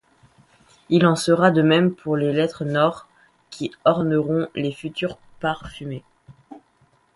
Il en sera de même pour les lettres Nord qui orneront les futurs pare-fumée.